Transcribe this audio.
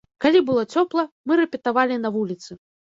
Калі было цёпла, мы рэпетавалі на вуліцы.